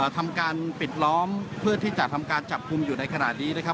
ทำการปิดล้อมเพื่อที่จะทำการจับกลุ่มอยู่ในขณะนี้